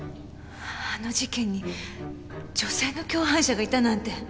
あの事件に女性の共犯者がいたなんて。